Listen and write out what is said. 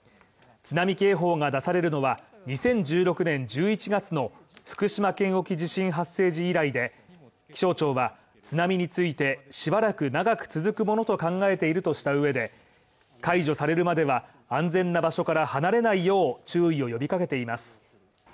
津波警報が出されるのは２０１６年１１月の福島県沖地震発生時以来で気象庁は津波についてしばらく長く続くものと考えているとした上で解除されるまでは、安全な場所から離れないよう注意を呼びかけています。